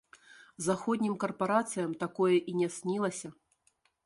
Заходнім карпарацыям такое і не снілася.